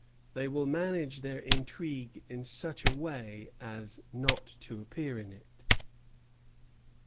They will manage their intrigue in such a way as not to appear in it."